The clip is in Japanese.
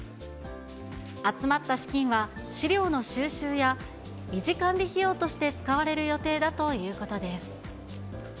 集まった資金は、資料の収集や維持管理費用として使われる予定だということです。